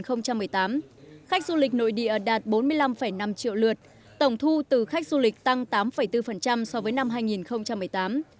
khách du lịch nội địa đạt bốn mươi năm năm triệu lượt tổng thu từ khách du lịch tăng tám bốn so với năm hai nghìn một mươi tám